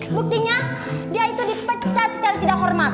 buktinya dia itu dipecat secara tidak hormat